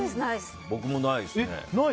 僕もないですね。